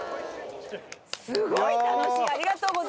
すごい楽しい！